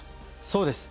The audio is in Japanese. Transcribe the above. そうです。